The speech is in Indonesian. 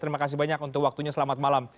terima kasih banyak untuk waktunya selamat malam